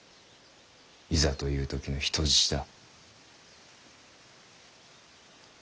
いざという時の人質だ。